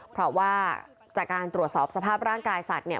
เพราะว่าจากการตรวจสอบสภาพร่างกายสัตว์เนี่ย